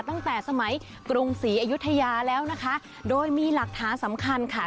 ตั้งแต่สมัยกรุงศรีอยุธยาแล้วนะคะโดยมีหลักฐานสำคัญค่ะ